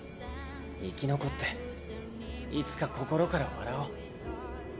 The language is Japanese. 生き残っていつか心から笑おう。